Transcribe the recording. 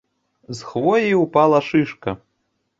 З хвоі ўпала шышка.